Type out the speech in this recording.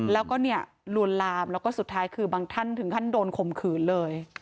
แล้วก็เนี่ยลวนลามแล้วก็สุดท้ายคือบางท่านถึงขั้นโดนข่มขืนเลย